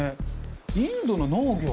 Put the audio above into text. インドの農業。